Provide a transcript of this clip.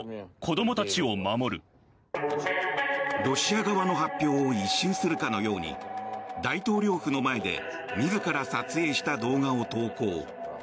ロシア側の発表を一蹴するかのように大統領府の前で自ら撮影した動画を投稿。